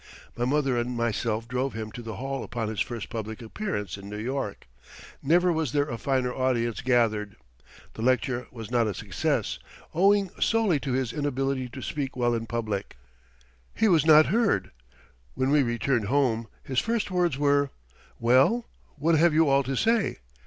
My mother and myself drove him to the hall upon his first public appearance in New York. Never was there a finer audience gathered. The lecture was not a success, owing solely to his inability to speak well in public. He was not heard. When we returned home his first words were: "Well, what have you all to say?